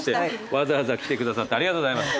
わざわざ来てくださってありがとうございます。